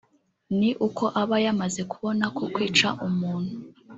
ni uko aba yamaze kubona ko kwica umuntu